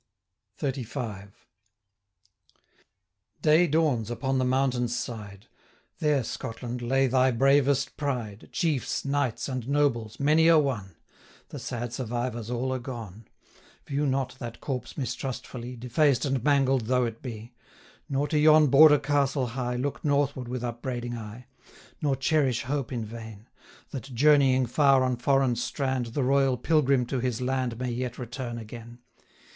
XXXV. Day dawns upon the mountain's side: There, Scotland! lay thy bravest pride, Chiefs, knights, and nobles, many a one: The sad survivors all are gone. 1072 View not that corpse mistrustfully, Defaced and mangled though it be; Nor to yon Border castle high, Look northward with upbraiding eye; Nor cherish hope in vain, 1075 That, journeying far on foreign strand, The Royal Pilgrim to his land May yet return again.